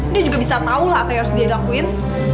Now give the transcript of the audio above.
dia juga bisa tahu lah apa yang harus dia lakuin